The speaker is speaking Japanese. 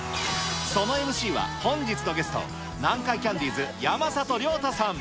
そのＭＣは本日のゲスト、南海キャンディーズ・山里亮太さん。